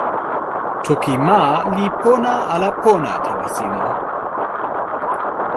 toki ma li pona ala pona tawa sina?